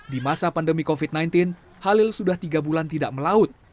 di masa pandemi covid sembilan belas halil sudah tiga bulan tidak melaut